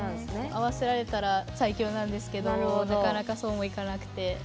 合わせられたら最強なんですけどなかなかそうもいかなくて。